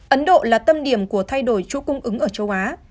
ấn độ là tâm điểm của thay đổi chuỗi cung ứng ở châu á